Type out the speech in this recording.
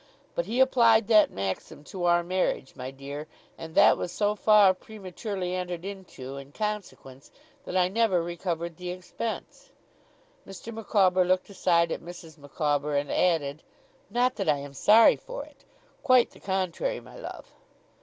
But he applied that maxim to our marriage, my dear; and that was so far prematurely entered into, in consequence, that I never recovered the expense.' Mr. Micawber looked aside at Mrs. Micawber, and added: 'Not that I am sorry for it. Quite the contrary, my love.